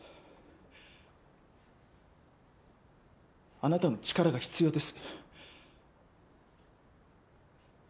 あなたの力が必要です。